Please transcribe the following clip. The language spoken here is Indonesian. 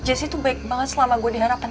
jessi tuh baik banget selama gue diharapkan